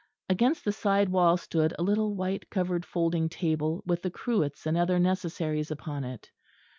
Against the side wall stood a little white covered folding table with the cruets and other necessaries upon it.